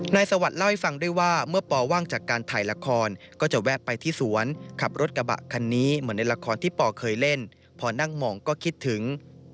สวัสดิ์เล่าให้ฟังด้วยว่าเมื่อปอว่างจากการถ่ายละครก็จะแวะไปที่สวนขับรถกระบะคันนี้เหมือนในละครที่ปอเคยเล่นพอนั่งมองก็คิดถึง